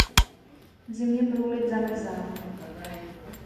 V zimě průliv zamrzá.